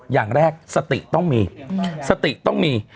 อย่างแรกสติต้องมีสติต้องมี